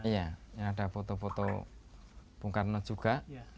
iya ada foto foto bung karno juga